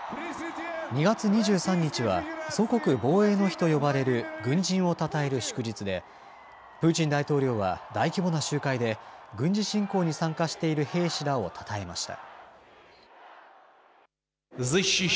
２月２３日は祖国防衛の日と呼ばれる軍人をたたえる祝日で、プーチン大統領は大規模な集会で、軍事侵攻に参加している兵士らをたたえました。